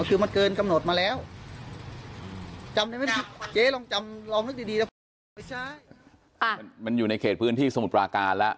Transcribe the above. อ่ามันอยู่ในเกษตรผมว่าสมุตรวาการล่ะ